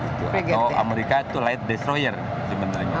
atau amerika itu light destroyer sebenarnya